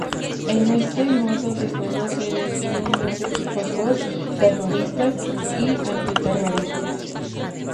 En este modo de juego se definen dos equipos: los "Terroristas" y "Anti-Terroristas".